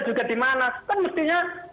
juga di mana kan mestinya